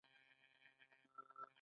د دوی د مینې کیسه د غزل په څېر تلله.